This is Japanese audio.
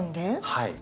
はい。